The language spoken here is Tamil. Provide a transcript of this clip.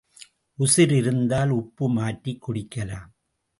உசிர் இருந்தால் உப்பு மாற்றிக் குடிக்கலாம்.